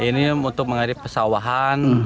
ini untuk mengairi pesawahan